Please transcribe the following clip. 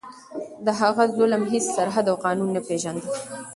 د هغه ظلم هیڅ سرحد او قانون نه پېژانده.